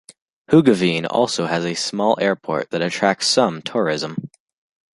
Hoogeveen also has a small airport that attracts some tourism.